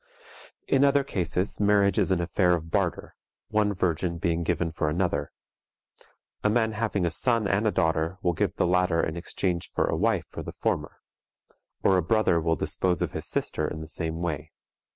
In other cases marriage is an affair of barter, one virgin being given for another. A man having a son and a daughter will give the latter in exchange for a wife for the former; or a brother will dispose of his sister in the same way.